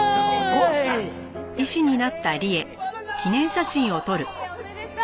利恵おめでとう！